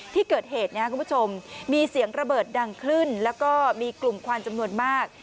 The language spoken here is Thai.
ที่เกิดเหตุนะครับคุณผู้ชมมีเสียงระเบิดดังขึ้นแล้วก็มีกลุ่มควันจำนวนมาก